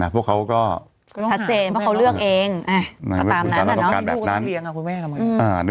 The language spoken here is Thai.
พวกเขาก็ชัดเจนเพราะเขาเลือกเอง